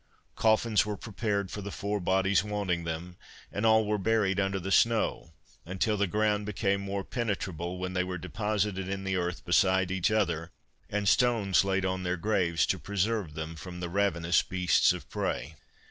Coffins were prepared for the four bodies wanting them, and all were buried under the snow, until the ground became more penetrable, when they were deposited in the earth beside each other, and stones laid on their graves, to preserve them from the ravenous beasts of prey.